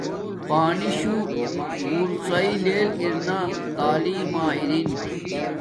پانی شو غورڅی لیل اِراین تعلیم اری